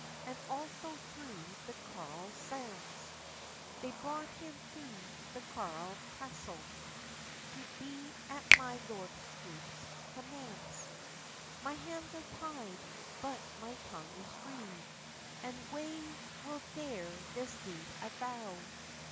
And also thro the Carlisle sands; They brought him to Carlisle castell. To be at my Lord Scroope's commands. "My hands are tied; but my tongue is free, And whae will dare this deed avow?